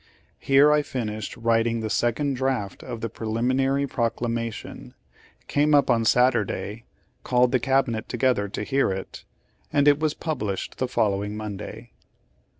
Here I finished writing the second draft of the preliminary proclamation; came up on Saturday; called the Cabinet together to hear it, and it was published the following Monday."